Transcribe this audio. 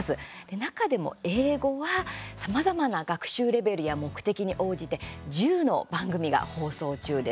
中でも英語は、さまざまな学習レベルや目的に応じて１０の番組が放送中です。